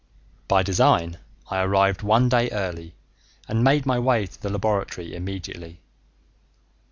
By design, I arrived one day early and made my way to the laboratory immediately.